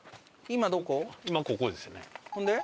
今ここですね。